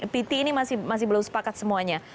pt ini masih belum sepakat semuanya